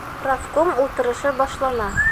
Профком ултырышы башлана.